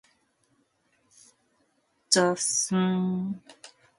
The son of Axel Oxenstierna, he was born in Stockholm.